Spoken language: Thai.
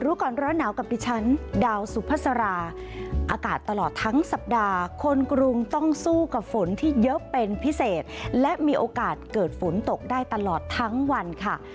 รู้ก่อนร้อนหนาวกับดิฉันดาวสุภาษาอากาศตลอดทั้งสัปดาห์คนกรุงต้องสู้กับฝนที่เยอะเป็นพิเศษและมีโอกาสเกิดฝนตกได้ตลอดทั้งวันค่ะ